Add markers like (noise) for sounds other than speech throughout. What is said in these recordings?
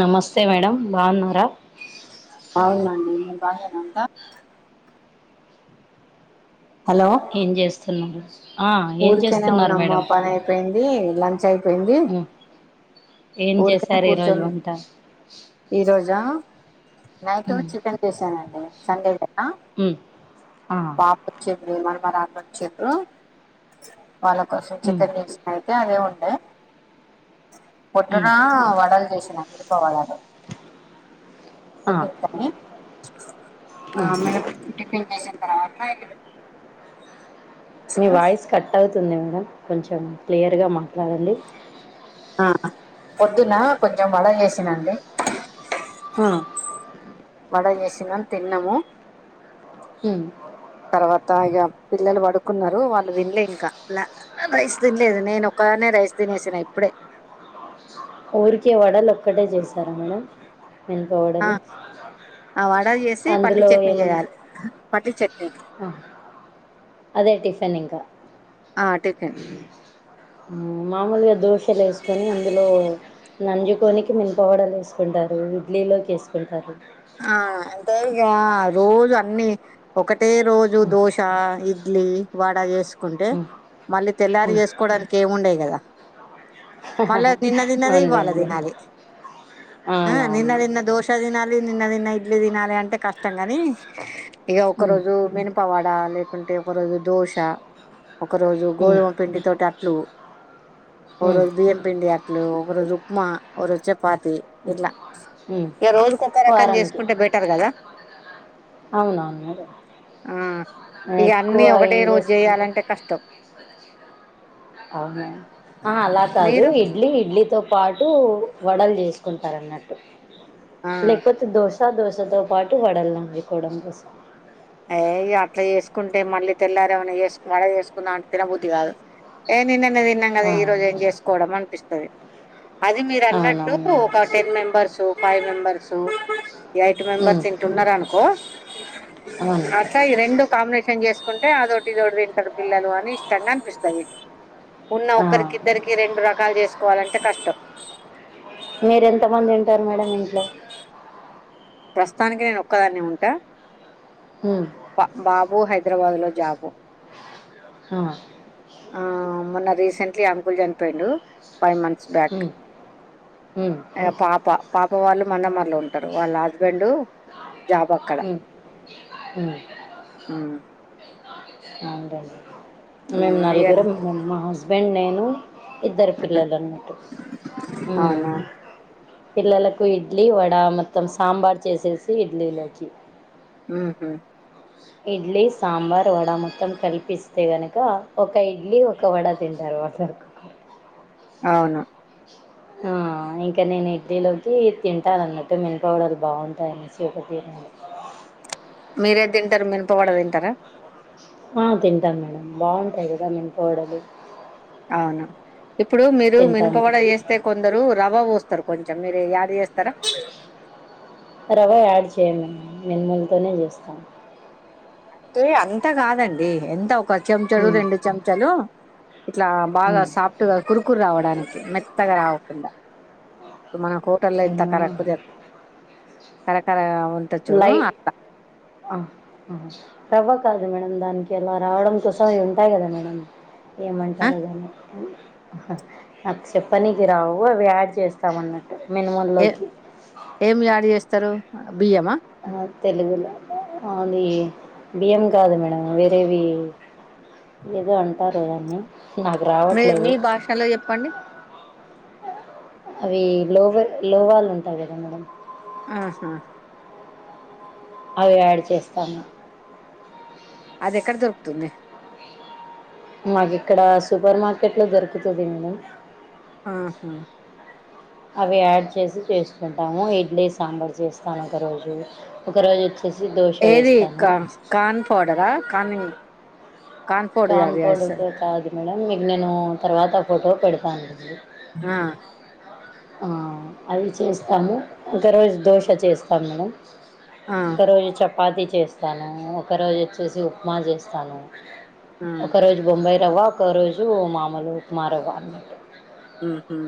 నమస్తే మేడం బావున్నారా అవునండి మీరు బాగేనా అంతా హలో ఏం చేస్తున్నారు ఆ ఏం ఊరకనే చేస్తున్నారు ఉన్నామ్మా మేడం పనైపోయింది లం చైపేయింది ఉమ్ ఏం ఊర్కనే చేశారు ఈరోజు కూర్చోన్ వంట ఈ రోజా నైటూ ఉమ్ చికెన్ జేశానండి సండే గదా ఉమ్ ఆ పాపొచ్చింది మనవరాళ్ళొచ్చిండ్రు వాళ్ళ కోసం ఉమ్ చికెన్ జేస్ పెడ్తే అదే ఉండా ఉమ్ పొద్దునా వడలు జేసిన మిరప వడలు ఆ రేపు ఎంతనే ఉమ్ రేపు టిఫిన్ కోసం మా ఇంటికి మీ వాయిస్ కట్ అవుతుంది మేడం కొంచెం క్లియర్ గా మాట్లాడండి ఆ పొద్దున్న కొంచెం వడ చేసనండి ఆ వడ చేసినం తిన్నాము ఉ తర్వాత ఇగా పిల్లలు పడుకున్నారు వాళ్ళు తినలే ఇంకా రైస్ తినలేదు నేను ఒక దనే రైస్ తినేసిన ఇప్పుడే ఊరికే వడలు ఒక్కటే చేశాను మేడంమ్ మినప ఆ వడలు ఆ వడ చేసి పల్లీ అందులో చట్నీ ఏమన్నా చేయాలి పల్లీ చట్నీ ఆ అదే టిఫెన్ ఇంకా ఆ టిఫిన్ మామూలుగా దోశలు వేసుకొని అందులో నంజుకోనికి మినపవడలు వేసుకుంటారు ఇడ్లీలోకి వేసుకుంటారు ఆ అంటే ఇగ రోజు అన్ని ఒకటే రోజు ఉమ్, దోశ ఇడ్లీ వడ చేసుకుంటే ఉమ్, మళ్ళీ తెల్లారి ఉమ్. చేసుకోవడానికి ఏమి ఉండాయి కదా మళ్ళ నిన్న తిన్నదే ఇవాళ అవునులేండి తినాలి ఆ అవునవును నిన్న తిన్న దోష తినాలి నిన్న తిన్న ఇడ్ల తినాలి అంటే కష్టం గని ఇగ ఒక ఉమ్, రోజు మినపవడలు లేకుంటే ఒక రోజు దోశ ఒక రోజు ఉమ్, గోధుమ పిండి తోటి అట్లు ఓ ఉమ్, రోజు బియ్యప్పిండి అట్లు ఓ రోజుఉప్మా ఓ రోజు చపాతి ఇట్ల ఉమ్. ఇగ రోజు ఒక్క రకం వారానికి చేసుకుంటే బెటర్ కదా అవునవును ఆ నీను ఇక ఎక్కువ అన్ని ఒకటే ఏం రోజు చేసుకోను చేయాలంటే కష్టం అవునా ఆ అలా కాదు మీరు ఇడ్లీ ఇడ్లీతో పాటు వడలు చేసుకుంటారు అన్నట్టు ఆ లేకపోతే దోశ దోశతో పాటు వడలు తో పాటు చేసుకోవడం ఏ అట్లా చేసుకోకుంటే మళ్ళీ తెల్లారి ఏమన్నా వడ చేసుకుందా అంటే తినబుద్ధి కాదు ఏ నిన్న నీన్న తిన్నాం కదా ఆ, ఈ రోజు ఏం చేసుకోవడం అనిపిస్తుంది అది మీరు అన్నట్టు అవునవును ఒక ten members five members eight ఉమ్ మెంబర్స్ ఇంట ఉన్నరు అనుకో అవును అసలు ఈ రెండు కాంబినేషన్ షన్ చేసుకుంటే అదోటి ఇదోటి తింటారు పిల్లలు అని ఇష్టంగా అనిపిస్తాయి ఉన్న ఆ ఒక్కరికిద్దరికి రెండు రకాలు చేసుకోవాలంటే కష్టం మీరు ఎంత మంది ఉంటారు మేడం ఇంట్లో ప్రస్తుతానికి నేను ఒక్కదాన్ని ఉంటా ఉమ్ బాబా బాబు హైదరాబాద్ లో జాబు ఆ మొన్న రీసెంట్లీ అంకుల్ చనిపోయిండు ఫైవ్ మంత్స్ బ్యాక్ ఉమ్ ఉమ్ పాప పాప వాళ్ళు మందమరిలో ఉంటారు వాళ్ళు ఉ ఉ ఉమ్ మేము ఉమ్ ఇగ నలుగురం మా హస్బెండ్ నేను ఇద్దరు పిల్లలు అన్నట్టు ఉ అవునా పిల్లలకు ఇడ్లీ వడ మొత్తం సాంబార్ చేసేసి ఇడ్లీలోకి ఉహు ఇడ్లీ సాంబార్ వడ మొత్తం కలిపిస్తే గనుక ఒక ఇడ్లీ ఒక వడ తింటారు వా సరుకు అవును ఆ ఇంకా నేను ఇడ్లీలోకి తింటాలన్నట్టు మీనుప వడలు బాగుంటాయనేసి ఒకటి ఇ మీరే ఏది తింటారు మినపవాడ తింటారా ఆ తింటాం మేడం బాగుంటాయి కదా వినుప వడలు అవును ఇప్పుడు మీరు మనుపవడ వస్తే కొందరు ర్వ పోస్తారు కొంచ చం మీరు యాడ్ చెస్ రవా యాడ్ చెయ్యము మేము మీనుములతోనే చేస్తాం అంటే అంత కాదండి ఎంత ఒకకా చెంచలు హ్మ్. రెండు చెంచలు ఇట్లా బాగా హ్మ్. సాఫ్ట్ గా కురుకురు రావడాని మెత్తగా రావకుండా ఇప్పు మన హోటల్లో ఇంత అవునా! కరక్కు తె కరఖర లై ఆ ఆ రవ్వ కాదు మేడం దానికి ఎలా రావడం కోసం అవి ఉంటాయి కదా మేడం ఆ ఏమంటారుో దాన్ని ఉ హ నాకు చెప్పనీనికి రావు అవి యాడ్ చేస్తాం అన్నట్ ఏ ఏం యాడ్ చేస్తారు బియ్యమా ఆ తెలుగులో అది బి్యం కాదు మేడం వేరేవి లేదో అంటారు దాన్ని నాకు మీ మీ రావట్లేదు భాషలో చెప్పండి అవి లోవ లోవాళు ఉంటాయి కదా మేడం ఆహా అవి యాడ్ చేస్తాను అది ఎక్కడ దొరుకుతుంది మాకు ఇక్కడ సూపర్ మార్కెట్ లో దొరుకుతుంది మేడంమ్ ఆహా అవి యాడ్ చేసి చేసుకుంటాము ఇడ్లీ సాంబార్ చేస్తాను ఒక రోజు ఒకరోజు వచ్చి ఏది కా కాన్ పౌడరా కాన్ పౌడర్ కాన్ యాడ్ కోడుకు చేస్తారు కాదు మేడం మీకు నేను తర్వాత ఫోటో పెడతాను లేండి ఆ ఆ అవి చేస్తాము ఇంకా రోజు దోశ చేస్తాము మేడంమ్ ఆ ఒకరోజు చపాతి చేస్తాను ఒకరోజు వచ్చేసి ఉప్మా చేస్తాను ఆ ఒక రోజు బొంబాయి రవ్వ ఒక రోజు మామూలు ఉప్మా రవ్వ అన్నటు ఉహు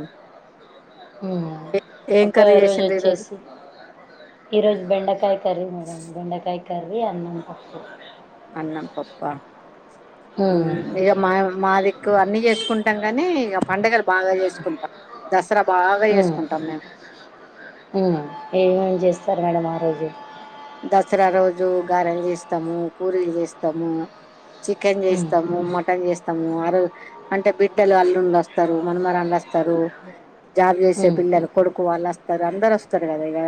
ఉ ఏం ఒక కర్రీ రోజు చేసిండ్రు ఈరోజు వచ్చేసి ఈరోజు బెండకాయ్ కర్రీ మేడం బెండకాయ్ కర్రీ అన్నం పప్పు అన్నం పప్ప ఉ ఉమ్ ఇగ మా మా దిక్కు అన్ని చేసుకుంటాం కాని ఇగ పండుగలు బాగా చేసుకుంటాం దసరా బాగా చేసుకుంటాం మేము ఉ ఏమేం చేస్తారు మేడం ఆ రోజు దసరా రోజు గారెలు చేస్తాము పూరీలు చేస్తాము చికెన్ ఉమ్ చేస్తము, మటన్ చేస్తము ఆరోజు అంటే బిడ్డలు అల్లుండ్లు అస్తరు, మనమరాన్లు అస్తరు. జాబ్ చేసే ఉమ్ పిల్లలు కొడుకు వాళ్ళు అస్తరు, అందరు అస్తరు కదా ఇగ,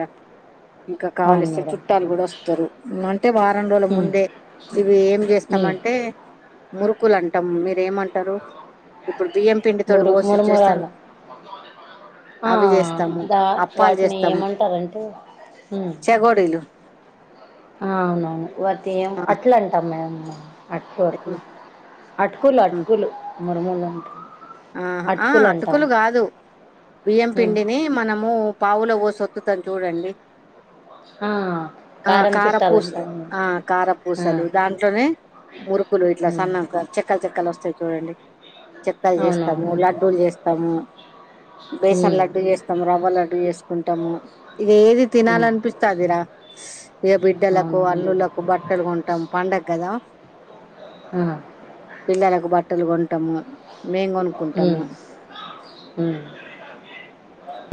ఇంకా అవును కావల్సి మేడం చుట్టాలు గుడ వస్తరు, అంటే వారం రోజుల ఉమ్ ముందే ఇవి ఏం ఉమ్ చేస్తమంటే, మురుకులు అంటం, మీరేమంటరు? ఇప్పుడు బియ్యం పిండి తోటీ మురు పోసి చేస్తాం మురుమురాలు ఆ అవి చేస్తము, దా అప్పాలు వాటిని చేస్తము. ఏమంటారంటే ఉమ్ చెగోడీలు అవునవును వతియం అట్లా అంటాం మేము. అటుకు అట్లు అటుకులు అటుకులు మురుములు అంటం. ఆ ఆ అటుకులు కాదు, బియ్యం ఉమ్ పిండిని మనము పావుల పోసి ఒత్తుతం చూడండి. ఆ ఆ కారం కారపూస, చుట్టాలంట అవును ఆ ఆ కారపూసలు దాంట్లోనే మురుకులు ఇట్లా ఉమ్ సన్నంగా చెక్కల్ చెక్కలు వస్తయి చూడండి. కయలు చేస్తాము, అవునవును లడ్డూలు చేస్తాము, బేసన్ ఉమ్ లడ్డూ చేస్తాము, రవ్వ లడ్డు చేసుకుంట్ టము ఇగ ఏది తినాలి ఉమ్ అనిపిస్తే అది రా. ఇగ బిడ్డలకు, అవునవును మేడం అల్లులకు బట్టలు కొంటాం, పండగ కదా ఆ పిల్లలకు బట్టలు కొంటము, మేము ఉమ్ కొనుకుంటము. ఉమ్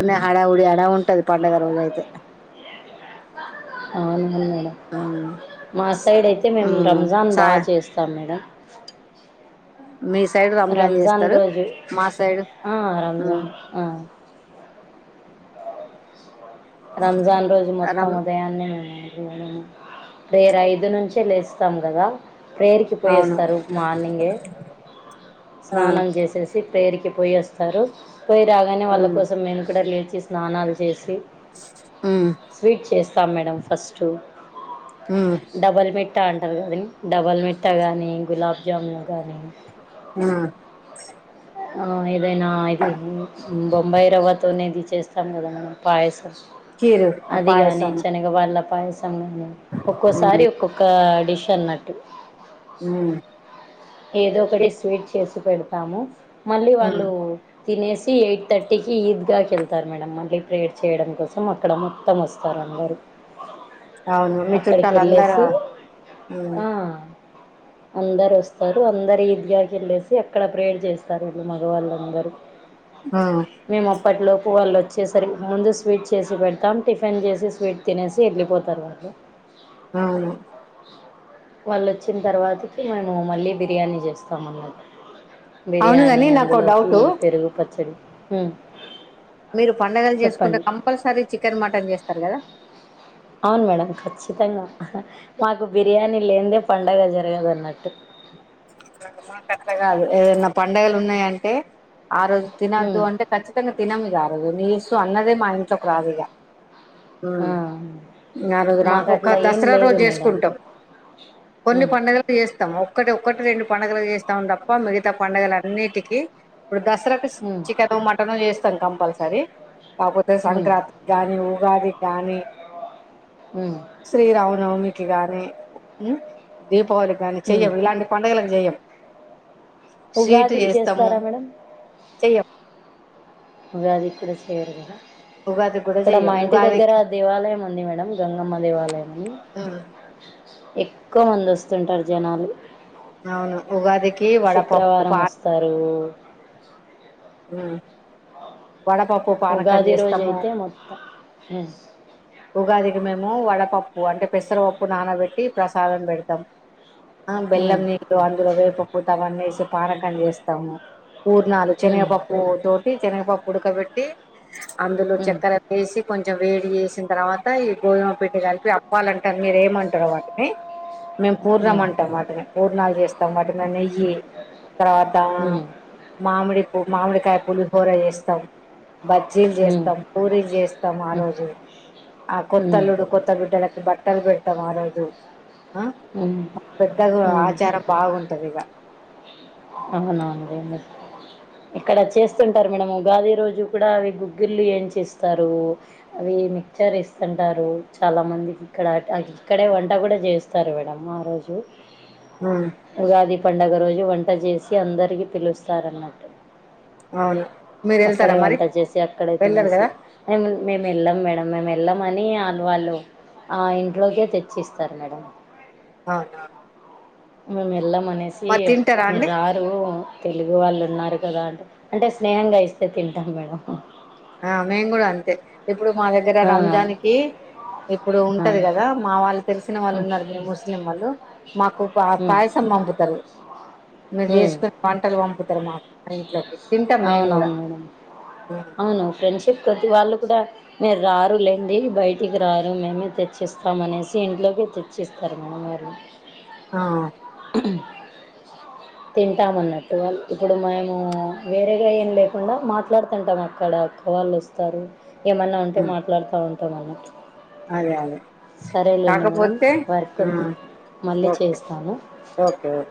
న్న హడావుడి హడా ఉంటది, పండుగ రోజయితే అవునవును మేడం ఆ మా సైడ్ అయితే మేము రంజాన్ సా బా చేస్తాం మేడం. మీ సైడ్ రంజాన్ చేస్తరు, మా సైడు ఆ ఉమ్ రంజాన్ ఆ రంజాన్ రోజు మొత్తం రమ్ ఉదయాన్నే రేర ఐదు నుంచే లేస్తాం కదా. ప్రేర్కి అవును పోయేస్తారు మార్నింగే, ఆ ఉమ్ స్నానం చేసేసి పేర్కి పోయస్తారు, పోయి రాగానే వాళ్ళ ఉమ్ కోసం మేము కూడా లేచి స్నానాలు చేసి. స్వీట్ చేస్తాం మేడం, ఫస్టు ఉమ్ డబల్ మెట్ ట్టా అంటారు కదండీ, డబల్ మిట్ట గానీ, గులాబ్ జామున్ గానీ ఆ ఆ ఏదైనా ఇది బొంబాయి రవ్వ తోనేది చేస్తాం కదా మేడం, పాయసం కీరు ఆ అది గాని పాయసం శనగా వాళ్ళ పాయసం గానీ ఉమ్ ఒక్కోసారి ఒక్కొక్క డిషన్నట్టు. ఉమ్ ఏదో ఒకటి స్వీట్ చేసి పెడతాము, మళ్ళీ ఉమ్ వాళ్ళు తినేసి ఎయిట్ థర్టీకి ఈద్గాకి ఎళ్తారు మేడం మళ్ళీ ప్రేయర్ చేయడం కోసం అక్కడ మొత్తం వస్తారు. ఆరు అవును మీ చుట్టాలు అందరూ ఉమ్ ఆ అందరు వస్ స్తారు, అందరు ఈద్గాకెళ్ళేసి అక్కడ ప్రేర్ చేస్తారు అండి మగవాళ్ళుందరూ. ఆ అప్పటిలోపు వాళ్ళు వచ్చేసరికి ముందు స్వీట్ చేసి పెడతాం, టిఫిన్ చేసి స్వీట్ తినేసి ఎల్లిపోతారు వాళ్ళు. ఆవును వాళ్ళు వచ్చిన తర్వాత మేము మళ్ళీ బిర్యానీ చేస్తాం అన్నట్టు అవును బిర్యానీ గాని నాకు అందులోకి డౌట్ కీర్ పెరుగు పచ్చడి ఉ మీరు పడుగలు చేసుకుంటే కంపల్సరీ చికెన్ మటన్ చేస్తారు కదా అవును మేడం ఖచ్చితంగా మాకు బిర్యానీ లేనిదే పండగ జరగదు అన్నట్టు కత్త కాదు ఏదైన్నా పడుగలు ఉన్నాయంటే ఆ రోజు తినద్దు ఉమ్ అంటే ఖచ్చితంగా తినం ఆ రోజు నీ ఇస్తు అన్నదే మా ఇంట్లోకు రాదు ఇక ఆ ఉమ్ ఆరోజు రా మాకు ఒక అట్లా ఏం దసరా లేదు రోజు మేడం చేసుకుంటాం కొన్ని ఉమ్ పడుగలు చేస్తాము ఒక్క ఒకటి రెండు పండడుగలు చేస్తాం తప్ప మిగతా పండుగల అన్నిటికీ ఇప్పుడు దసరాకు ఉమ్ చికెను మటన్ చేస్తాను కంపల్సరీ కాకపోతే ఉమ్ సంక్రాంతి కాగానీ ఉగాది గానీ ఉమ్ శ్రీరామనవమికి గాని దీపావళి కాగాని ఉమ్ చెయ్యం ఇలాంటి చెయ్య స్వీట్ ఉగాదికి చేస్తాము చేస్తారా మేడం చెయ్యం ఉగాది కూడా చెయ్యరు కదా ఉగాది కూడా ఇక్కడ మా చెయ్యం ఇంటి దగ్గర ఉగాదికి దేవాలయం ఉంది మేడం గంగమ్మ దేవాలయం బార్ ఎక్కువ మంది వస్తుంటారు జనాలు అవును ఉగాదికి వడపప్పు శుక్రవారం పా వస్తారు ఉమ్ వడపప్పు ఉగాది రోజు పానకంజరిస్తాము అయితే మొత్తం ఉమ్ ఉగాదికి మేము వడపప్పు అంటే పెసరపప్పు నానబెట్టి ప్రసాదం పెడతాం అ ఉమ్ బెల్లం నీళ్లు అందులో వేపపూత వేసి పానకం చేస్తాము పూర్ణాలు ఉమ్ శనగపప్పు తోటి శనగపప్పు ఉడకబెట్టి అందులో ఉమ్ చక్కెర వేసి కొంచెం వేడి వేసి తర్వాత ఈ గోధుమపిండి కలిపి అప్ప్వాలంటారు మీరు ఏమంటారు వాటిని మేము పూర్ణం ఉమ్ అంటాంమాట పూర్ణలు చేస్తాం వాటిలో నెయ్యి తర్వాత హ్మ్. మామిడి పూ మామిడికాయ పులిహోర చేస్తాం బజ్జీలు హ్మ్. చేస్తాం పూరీలు చేస్తాం ఆ హ్మ్. రోజు ఆ హ్మ్. కొత్తల్లుడు కొత్త బిడ్డలకి బట్టలు పెడతామ్ ఆ రోజు ఆ హ్మ్. పెద్దగా హ్మ్. ఆచారం బాగుంటది ఇగా అవునా అండి మీ ఇక్కడ చేస్తుంటారు మేడం ఉగాది రోజు కూడా అవి గుగ్గులు ఏంచి చేస్తారు అవి మిక్చర్ ఇస్తుంటారు చాలా మందికి ఇక్కడ ఇక్కడే వంట కూడా చేస్తారు మేడం ఆ రోజు ఉమ్ ఉగాది పడుగ రోజు వంట చేసి అందరికీ పిలుస్తారన్నట్టు అవును మీరు వెళ్తారా అక్కడే మరి వంట చేసి అక్కడే వెళ్ళరు తినేసి కదా ఎ మని మేము వెళ్ళాం మేడం మేము వెళ్ళామని ఆలవాళ్ళు ఆ ఇంట్లోకే తెచ్చిస్తారు మేడం అవునా మేము వెళ్ళమనేసి మరి తింటారా మీరు అండి రారు తెలుగు వాళ్ళు ఉన్నారు కదా అంటే అంటే స్నేహంగా ఇస్తే తింటాం మేడం ఆ మేము కూడా అంతే ఇప్పుడు మా దగ్గర ఆ, రంజాన్ కి ఇప్పుడు ఆ, ఉంటది కదా మా వాళ్ళు తెలిసిన వాళ్ళు ఉమ్, ఉన్నారు మీరు ముస్లిం వాళ్ళు మాకు ఉమ్, పాయసం పంపుతారు మీరు ఉమ్. చేసుకుని వంటలు పంపుతారు మాకు మా ఇంట్లోకి తింటాం మేము కూడా అవునవును మేడం ఆ అవును ఫ్రెండ్షిప్ ప్రతి వాళ్ళు కూడా మీరు రారులేండి బయటికి రారు మేమే తెచ్చిస్తాం అనేసి ఇంట్లోకే తెచ్చేస్తారు (inaudible) గారు ఆ ఉ తింటామన్నట్టు ఇప్పుడు మేము వేరేగా ఏం లేకుండా మాట్లాడుతుంటాం అక్కడ వాళ్ళొస్తారు ఏమన్నా ఉంటే మాట్లాడుతా ఉంటాం అన్న అదే అదే మేడం కాకపోతే వర్క్ ఉంది మళ్ళీ ఓకే చేస్తాను ఓకే ఓకే